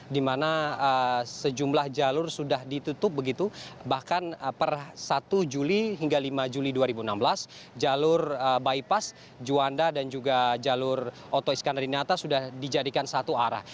di mana sejumlah jalur sudah ditutup begitu bahkan per satu juli hingga lima juli dua ribu enam belas jalur bypass juanda dan juga jalur oto iskandar di nata sudah dijadikan satu arah